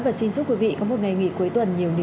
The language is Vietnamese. và xin chúc quý vị có một ngày nghỉ cuối tuần nhiều niềm vui